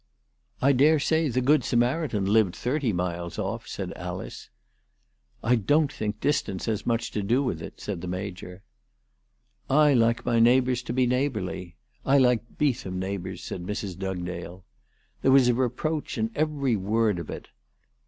" I dare say the Good Samaritan lived thirty miles off," said Alice. " I don't think distance has much to do with it," said the Major. "I like my neighbours to be neighbourly. I like Beetham neighbours," said Mrs. Dugdale. There was a reproach in every word of it.